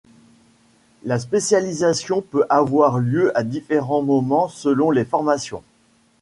La spécialisation peut avoir lieu à différents moments selon les formations.